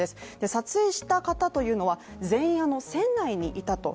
撮影した方というのは、全員、船内にいたと。